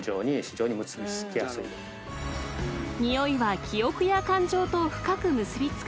［ニオイは記憶や感情と深く結び付く］